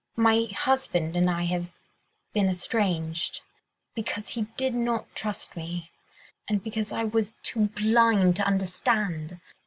—My husband and I have been estranged, because he did not trust me, and because I was too blind to understand.